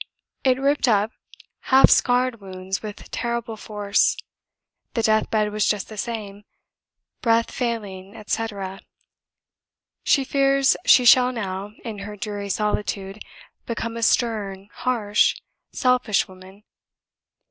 It ripped up half scarred wounds with terrible force. The death bed was just the same, breath failing, etc. She fears she shall now, in her dreary solitude, become a 'stern, harsh, selfish woman.'